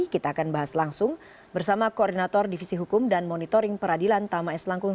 kita akan bahas langsung bersama koordinator divisi hukum dan monitoring peradilan tama s langkung